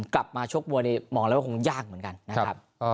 ชกมวยนี่มองแล้วว่าคงยากเหมือนกันนะครับ